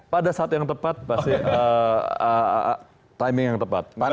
pada saat yang tepat pasti timing yang tepat